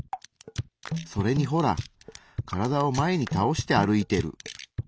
それにほら体を前に倒して歩いてる。